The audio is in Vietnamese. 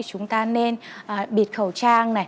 chúng ta nên bịt khẩu trang